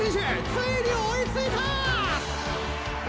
ついに追いついたっ！